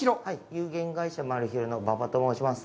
有限会社マルヒロの馬場と申します。